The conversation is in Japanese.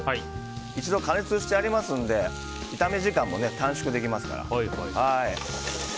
一度加熱してありますので炒め時間も短縮できます。